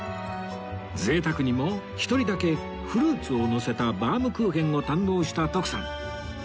贅沢にも一人だけフルーツをのせたバウムクーヘンを堪能した徳さん